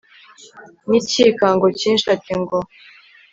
nicyikango cyinshi ati ngo